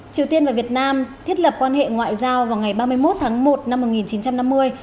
triều tiên và việt nam thiết lập quan hệ ngoại giao vào ngày ba mươi một tháng một năm một nghìn chín trăm năm mươi